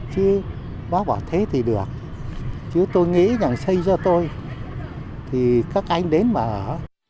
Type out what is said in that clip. chứ bác bảo thế thì được chứ tôi nghĩ nhà xây do tôi thì các anh đến mà ở